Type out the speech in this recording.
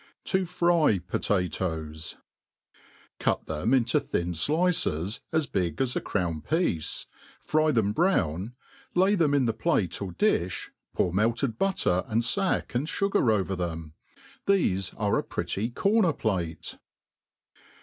To Jry Potatoes. CUT them into thin flices, as big as a crown piece, fry them brown, lay them in the plate or di(h, pour melted but ter, and fack and fugar over them. Thefe are a pretty corner plate.